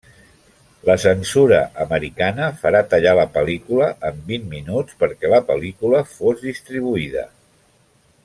La censura americana farà tallar la pel·lícula en vint minuts perquè la pel·lícula fos distribuïda.